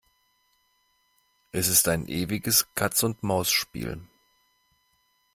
Es ist ein ewiges Katz-und-Maus-Spiel.